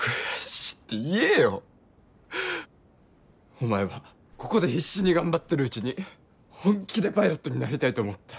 お前はここで必死に頑張ってるうちに本気でパイロットになりたいと思った。